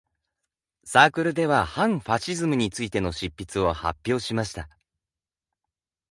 サークルでは反ファシズムについての執筆を発表しました。